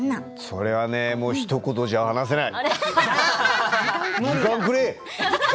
それはねひと言じゃ表せない。